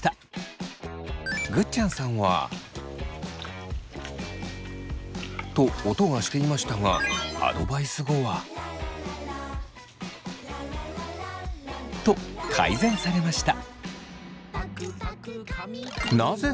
ぐっちゃんさんは。と音がしていましたがアドバイス後は？と改善されました。